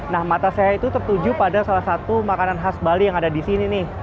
nah mata saya itu tertuju pada salah satu makanan khas bali yang ada di sini nih